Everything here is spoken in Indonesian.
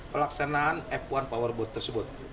pelaksanaan f satu powerboat tersebut